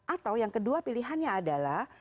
atau yang kedua pilihannya adalah